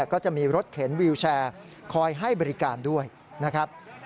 ก็จะมีรถเข็นวิวแชร์คอยให้บริการด้วยนะครับ